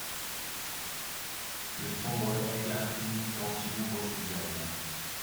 Le sombre aigle Infini, quand il ouvre ses ailes